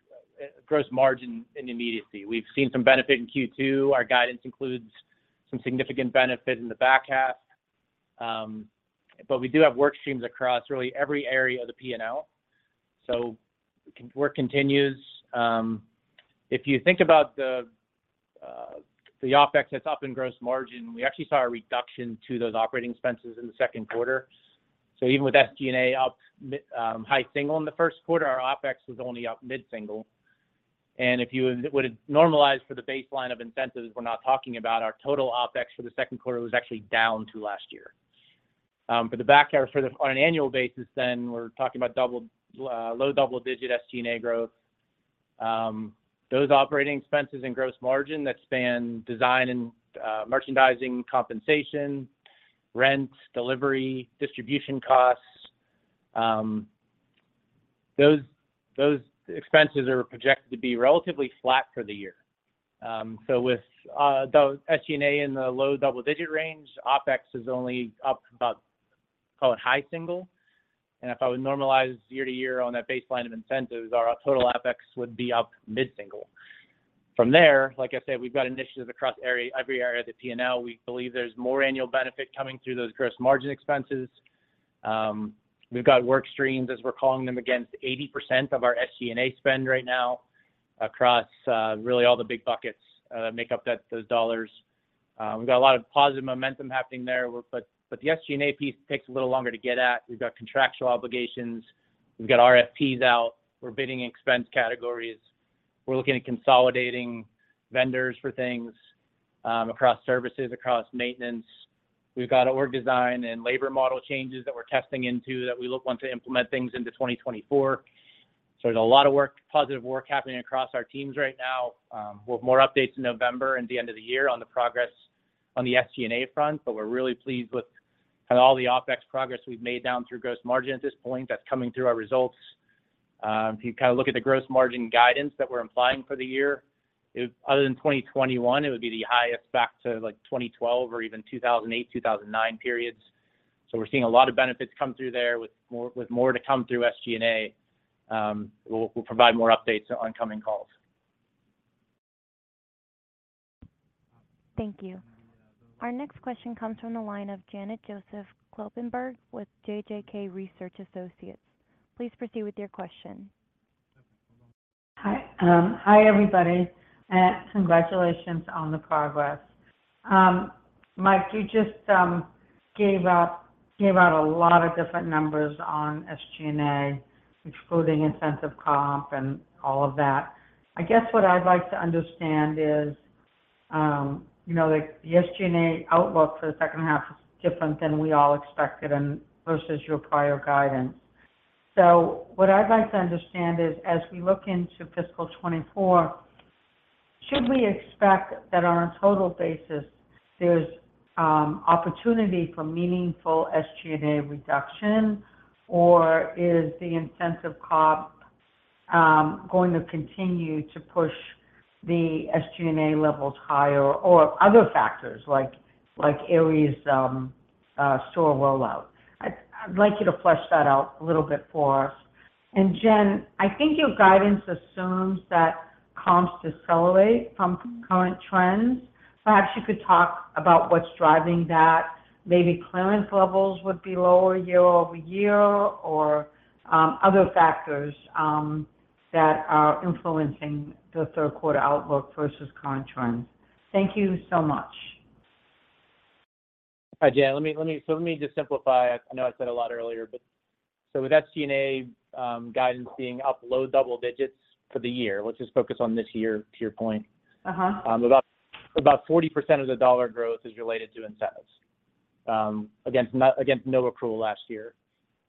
gross margin and immediacy. We've seen some benefit in Q2. Our guidance includes some significant benefit in the back half. But we do have work streams across really every area of the P&L. So work continues. If you think about the OpEx that's up in gross margin, we actually saw a reduction to those operating expenses in the second quarter. So even with SG&A up high single in the first quarter, our OpEx was only up mid-single. If you would normalize for the baseline of incentives, we're not talking about our total OpEx for the second quarter was actually down to last year. But the back half for the—on an annual basis then, we're talking about low double-digit SG&A growth. Those operating expenses and gross margin that span design and merchandising, compensation, rent, delivery, distribution costs, those expenses are projected to be relatively flat for the year. So with the SG&A in the low double-digit range, OpEx is only up about, call it, high single. And if I would normalize year to year on that baseline of incentives, our total OpEx would be up mid-single. From there, like I said, we've got initiatives across every area of the P&L. We believe there's more annual benefit coming through those gross margin expenses. We've got work streams, as we're calling them, against 80% of our SG&A spend right now across, really all the big buckets, that make up that, those dollars. We've got a lot of positive momentum happening there, but the SG&A piece takes a little longer to get at. We've got contractual obligations. We've got RFPs out. We're bidding expense categories. We're looking at consolidating vendors for things, across services, across maintenance. We've got org design and labor model changes that we're testing into, that we look want to implement things into 2024. So there's a lot of work, positive work happening across our teams right now. We'll have more updates in November and the end of the year on the progress on the SG&A front, but we're really pleased with all the OpEx progress we've made down through gross margin at this point. That's coming through our results. If you look at the gross margin guidance that we're implying for the year. If other than 2021, it would be the highest back to, like, 2012 or even 2008, 2009 periods. So we're seeing a lot of benefits come through there with more to come through SG&A. We'll provide more updates on coming calls. Thank you. Our next question comes from the line of Janet Joseph Kloppenburg with JJK Research Associates. Please proceed with your question. Hi, hi, everybody, and congratulations on the progress. Mike, you just gave out a lot of different numbers on SG&A, including incentive comp and all of that. I guess what I'd like to understand is, you know, like the SG&A outlook for the second half is different than we all expected and versus your prior guidance. So what I'd like to understand is, as we look into fiscal 2024, should we expect that on a total basis, there's opportunity for meaningful SG&A reduction, or is the incentive comp going to continue to push the SG&A levels higher, or other factors like Aerie's store rollout? I'd like you to flesh that out a little bit for us. Jen, I think your guidance assumes that comps decelerate from current trends. So perhaps you could talk about what's driving that. Maybe clearance levels would be lower year-over-year, or other factors that are influencing the third quarter outlook versus current trends. Thank you so much. Hi, Jan. Let me just simplify. I know I said a lot earlier, but so with SG&A, guidance being up low double digits for the year, let's just focus on this year, to your point. Uh-huh. About 40% of the dollar growth is related to incentives against no accrual last year.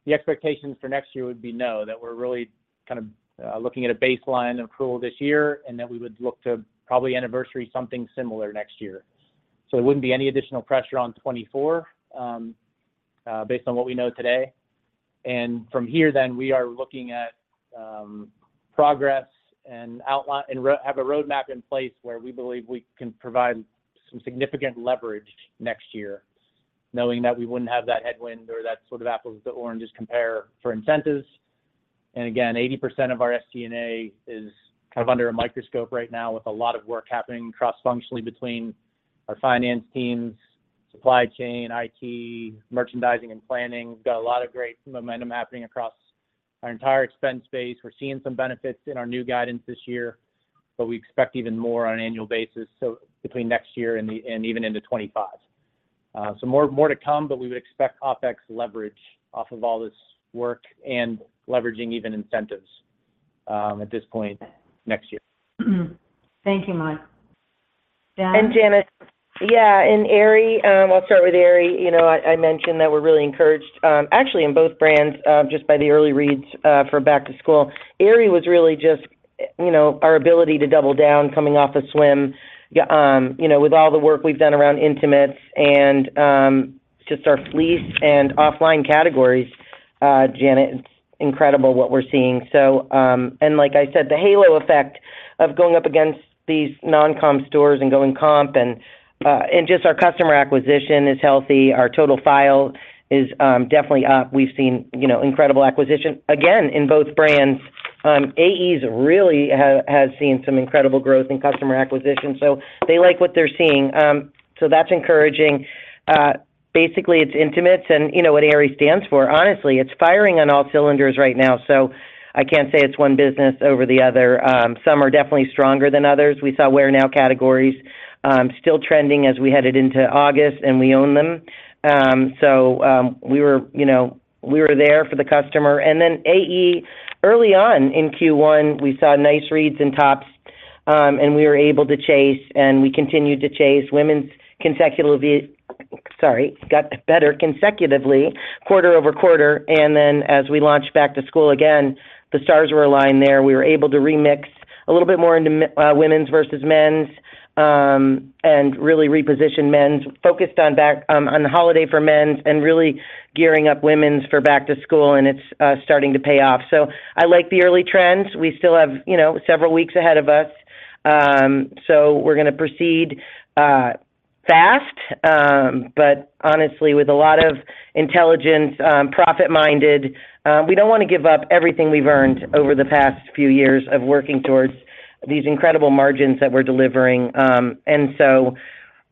The expectations for next year would be that we're really kind of looking at a baseline accrual this year, and that we would look to probably anniversary something similar next year. So it wouldn't be any additional pressure on 2024 based on what we know today. From here, we are looking at progress and outline and have a roadmap in place where we believe we can provide some significant leverage next year, knowing that we wouldn't have that headwind or that sort of apples to oranges compare for incentives. Again, 80% of our SG&A is kind of under a microscope right now, with a lot of work happening cross-functionally between our finance teams, supply chain, IT, merchandising, and planning. We've got a lot of great momentum happening across our entire expense base. We're seeing some benefits in our new guidance this year, but we expect even more on an annual basis, so between next year and the... and even into 2025. So more, more to come, but we would expect OpEx leverage off of all this work and leveraging even incentives, at this point next year. Thank you, Mike. Jen? And Janet. Yeah, and Aerie, I'll start with Aerie. You know, I mentioned that we're really encouraged, actually in both brands, just by the early reads for back to school. Aerie was really just, you know, our ability to double down coming off of swim, you know, with all the work we've done around intimates and, just our fleece and OFFLINE categories, Janet, it's incredible what we're seeing. So, and like I said, the halo effect of going up against these non-comp stores and going comp and, and just our customer acquisition is healthy. Our total file is, definitely up. We've seen, you know, incredible acquisition, again, in both brands. AE really has seen some incredible growth in customer acquisition, so they like what they're seeing. So that's encouraging. Basically, it's intimates and, you know, what Aerie stands for. Honestly, it's firing on all cylinders right now, so I can't say it's one business over the other. Some are definitely stronger than others. We saw wear-now categories still trending as we headed into August, and we own them. So, we were, you know, we were there for the customer. And then AE, early on in Q1, we saw nice reads in tops, and we were able to chase, and we continued to chase women's consecutively. Sorry, got better consecutively, quarter-over-quarter. And then as we launched back to school again, the stars were aligned there. We were able to remix a little bit more into women's versus men's, and really reposition men's, focused on back, on the holiday for men's and really gearing up women's for back to school, and it's starting to pay off. So I like the early trends. We still have, you know, several weeks ahead of us, so we're gonna proceed fast, but honestly, with a lot of intelligence, profit-minded. We don't wanna give up everything we've earned over the past few years of working towards these incredible margins that we're delivering. And so,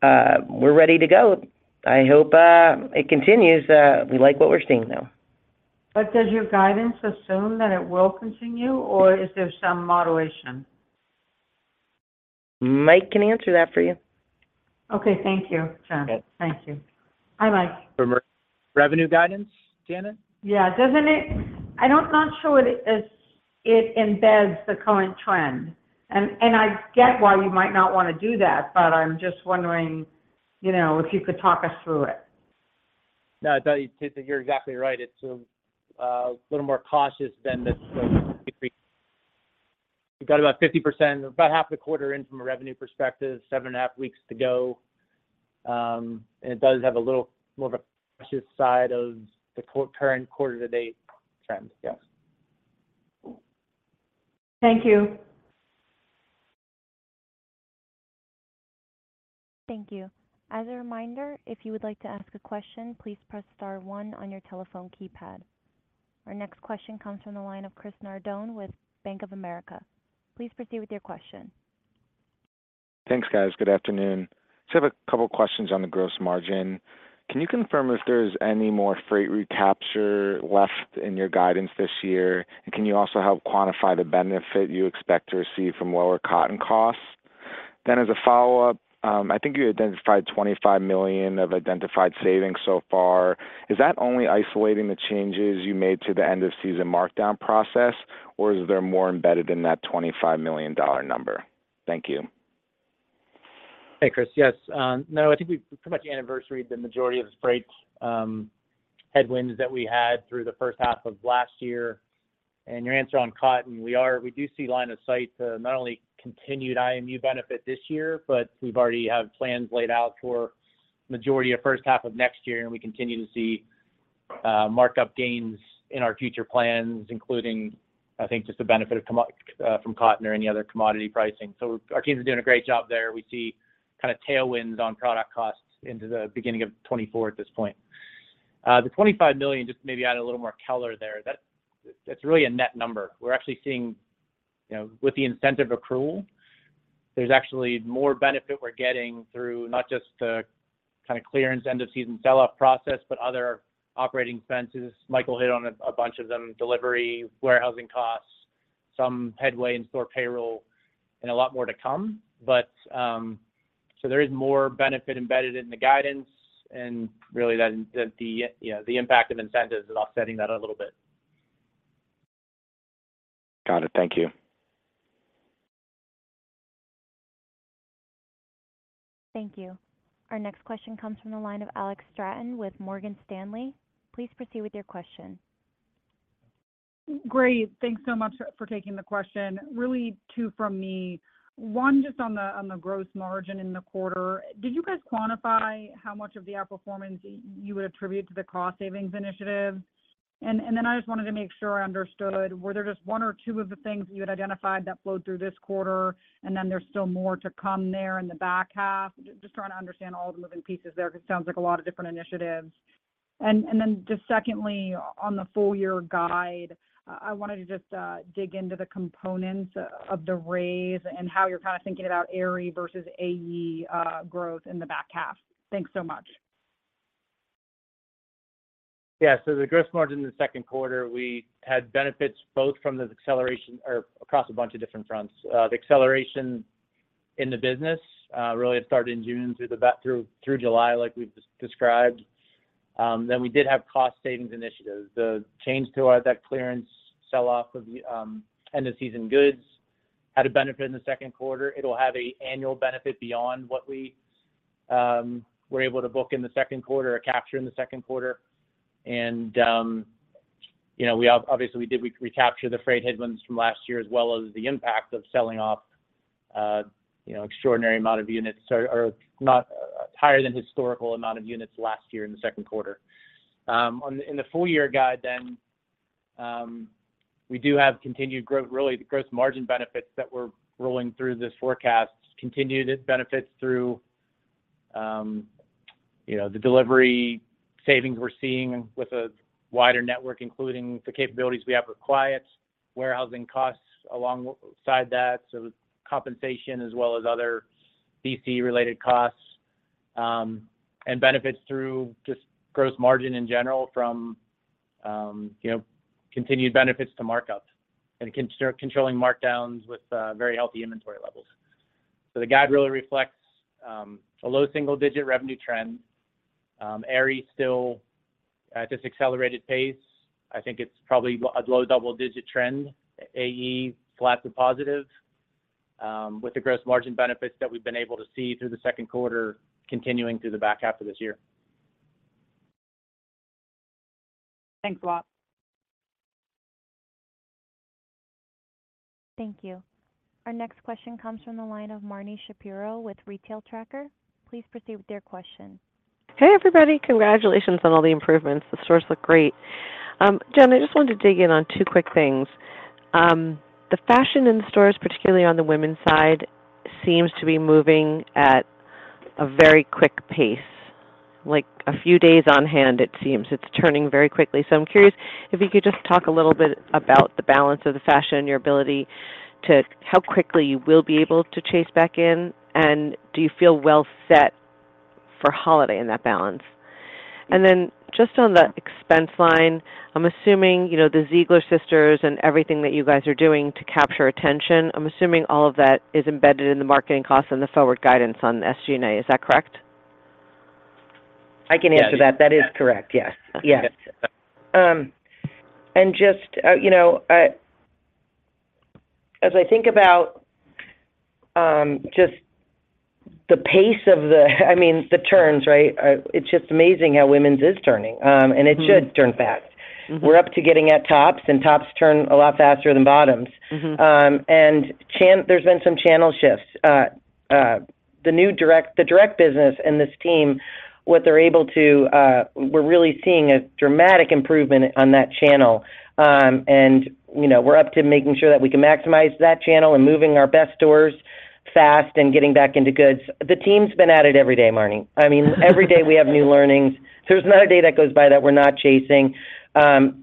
we're ready to go. I hope it continues, we like what we're seeing, though. But does your guidance assume that it will continue, or is there some moderation? Mike can answer that for you. Okay, thank you, Jen. Okay. Thank you. Hi, Mike. For revenue guidance, Janet? Yeah. Doesn't it? I'm not sure it embeds the current trend. I get why you might not wanna do that, but I'm just wondering, you know, if you could talk us through it. No, I thought you—you're exactly right. It's a little more cautious than the. We've got about 50%, about half the quarter in from a revenue perspective, 7.5 weeks to go, and it does have a little more of a cautious side of the current quarter to date trends, yes. Thank you. Thank you. As a reminder, if you would like to ask a question, please press star one on your telephone keypad. Our next question comes from the line of Chris Nardone with Bank of America. Please proceed with your question. Thanks, guys. Good afternoon. Just have a couple questions on the gross margin. Can you confirm if there is any more freight recapture left in your guidance this year? And can you also help quantify the benefit you expect to receive from lower cotton costs? Then as a follow-up, I think you identified $25 million of identified savings so far. Is that only isolating the changes you made to the end-of-season markdown process, or is there more embedded in that $25 million dollar number? Thank you. Hey, Chris. Yes, no, I think we've pretty much anniversaried the majority of the freight headwinds that we had through the first half of last year. Your answer on cotton, we do see line of sight to not only continued IMU benefit this year, but we've already have plans laid out for majority of first half of next year, and we continue to see markup gains in our future plans, including, I think, just the benefit from cotton or any other commodity pricing. So our team is doing a great job there. We see kinda tailwinds on product costs into the beginning of 2024 at this point. The $25 million, just maybe add a little more color there. That, that's really a net number. We're actually seeing, you know, with the incentive accrual, there's actually more benefit we're getting through, not just the kinda clearance end-of-season sell-off process, but other operating expenses. Michael hit on a bunch of them, delivery, warehousing costs, some headway in store payroll, and a lot more to come. But so there is more benefit embedded in the guidance, and really, that the you know, the impact of incentives is offsetting that a little bit. Got it. Thank you. Thank you. Our next question comes from the line of Alex Straton with Morgan Stanley. Please proceed with your question. Great. Thanks so much for taking the question. Really, two from me. One, just on the gross margin in the quarter, did you guys quantify how much of the outperformance you would attribute to the cost savings initiative? And then I just wanted to make sure I understood, were there just one or two of the things you had identified that flowed through this quarter, and then there's still more to come there in the back half? Just trying to understand all the moving pieces there because it sounds like a lot of different initiatives. And then just secondly, on the full year guide, I wanted to just dig into the components of the raise and how you're kinda thinking about Aerie versus AE, growth in the back half. Thanks so much. Yeah, so the gross margin in the second quarter, we had benefits both from the acceleration or across a bunch of different fronts. The acceleration in the business really it started in June through the back through July, like we've described. Then we did have cost savings initiatives. The change to our deck clearance, sell-off of the end-of-season goods, had a benefit in the second quarter. It'll have an annual benefit beyond what we were able to book in the second quarter or capture in the second quarter. And you know, we obviously did. We captured the freight headwinds from last year, as well as the impact of selling off you know, extraordinary amount of units or not higher than historical amount of units last year in the second quarter. On the, in the full year guide then, we do have continued growth, really, the gross margin benefits that we're rolling through this forecast, continued its benefits through, you know, the delivery savings we're seeing with a wider network, including the capabilities we have with Quiet warehousing costs alongside that, so compensation as well as other DC-related costs, and benefits through just gross margin in general from, you know, continued benefits to markups and controlling markdowns with, very healthy inventory levels. So the guide really reflects, a low single-digit revenue trend. Aerie still at this accelerated pace. I think it's probably a low double-digit trend, AE, flat to positive, with the gross margin benefits that we've been able to see through the second quarter continuing through the back half of this year. Thanks a lot. Thank you. Our next question comes from the line of Marni Shapiro with Retail Tracker. Please proceed with your question. Hey, everybody. Congratulations on all the improvements. The stores look great. Jen, I just wanted to dig in on two quick things. The fashion in the stores, particularly on the women's side, seems to be moving at a very quick pace, like a few days on hand, it seems. It's turning very quickly. So I'm curious if you could just talk a little bit about the balance of the fashion, your ability to... how quickly you will be able to chase back in, and do you feel well set for holiday in that balance? And then just on the expense line, I'm assuming, you know, the Ziegler sisters and everything that you guys are doing to capture attention, I'm assuming all of that is embedded in the marketing costs and the forward guidance on SG&A. Is that correct? I can answer that. Yeah. That is correct. Yes. Yes. Okay. And just, you know, as I think about just the pace of the, I mean, the turns, right? It's just amazing how women's is turning. And it should- Mm-hmm. -turn fast. Mm-hmm. We're up to getting at tops, and tops turn a lot faster than bottoms. Mm-hmm. And there's been some channel shifts. The new direct, the direct business and this team, what they're able to, we're really seeing a dramatic improvement on that channel. And, you know, we're up to making sure that we can maximize that channel and moving our best stores fast and getting back into goods. The team's been at it every day, Marni. Every day, we have new learnings. There's not a day that goes by that we're not chasing.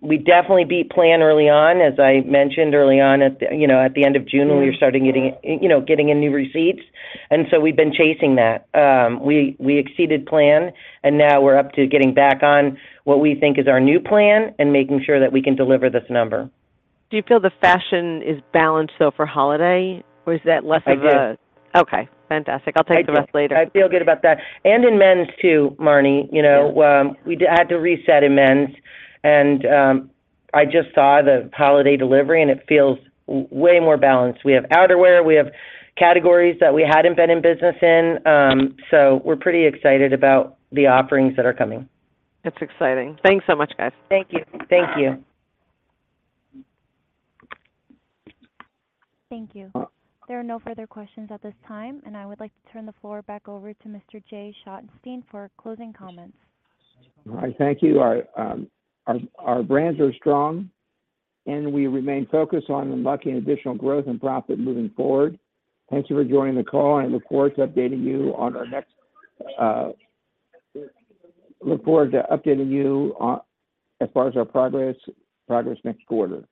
We definitely beat plan early on, as I mentioned early on, at the, you know, at the end of June- Mm-hmm. When we were starting getting, you know, getting in new receipts, and so we've been chasing that. We exceeded plan, and now we're up to getting back on what we think is our new plan and making sure that we can deliver this number. Do you feel the fashion is balanced, though, for holiday, or is that less of a- I do. Okay, fantastic. I do. I'll take the rest later. I feel good about that. In men's, too, Marni, you know- Yeah... we had to reset in men's. I just saw the holiday delivery, and it feels way more balanced. We have outerwear. We have categories that we hadn't been in business in. So we're pretty excited about the offerings that are coming. That's exciting. Thanks so much, guys. Thank you. Thank you. Thank you. There are no further questions at this time, and I would like to turn the floor back over to Mr. Jay Schottenstein for closing comments. I thank you. Our brands are strong, and we remain focused on unlocking additional growth and profit moving forward. Thank you for joining the call, and I look forward to updating you on our progress next quarter. Thank you.